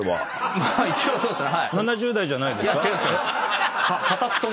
まあ一応そうですね。